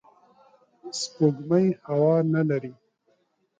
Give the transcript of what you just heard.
سپوږمۍ هوا نه لري